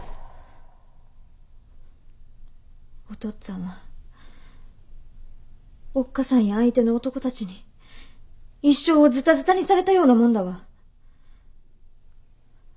お父っつぁんはおっ母さんや相手の男達に一生をずたずたにされたようなもんだわ。